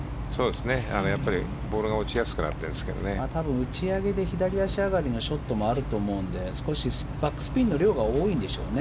打ち上げで左足上がりのショットもあると思うんで少しバックスピンの量が多いんでしょうね。